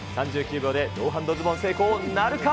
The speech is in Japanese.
３９秒でノーハンドズボン成功なるか。